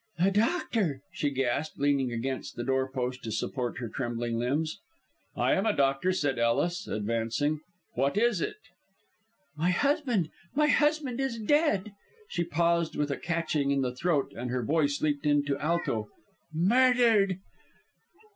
"The doctor!" she gasped, leaning against the door post to support her trembling limbs. "I am a doctor," said Ellis, advancing. "What is it?" "My husband my husband is dead!" She paused with a catching in the throat, then her voice leaped to alto: "Murdered!"